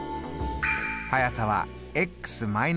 速さは−。